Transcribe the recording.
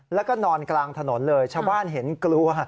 แล้วก็นอนกลางถนนเลยชาวบ้านเห็นกลัว